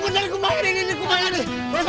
pani yang kurdani kumlimayan ini kumlimayan ini